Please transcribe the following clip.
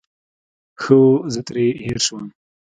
ښه وو، زه ترې هېر شوم.